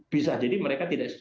bisa jadi mereka tidak